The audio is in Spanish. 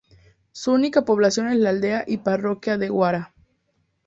Su única población es la aldea y parroquia de Guara.